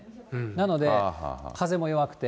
なので、風も弱くて。